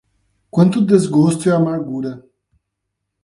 Quanto desgosto e amargura